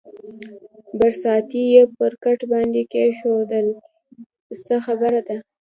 برساتۍ یې پر کټ باندې کېښوول، څه خبره ده؟